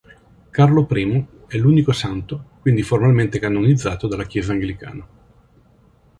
Carlo I è l'unico santo quindi formalmente canonizzato dalla Chiesa anglicana.